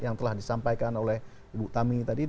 yang telah disampaikan oleh ibu tami tadi